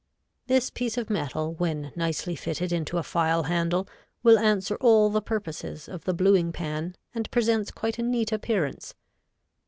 This piece of metal, when nicely fitted into a file handle, will answer all the purposes of the bluing pan and presents quite a neat appearance.